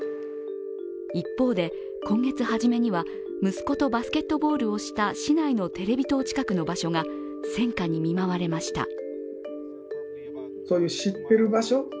一方で、今月初めには息子とバスケットボールをした市内のテレビ塔近くの場所が戦火に見舞われました。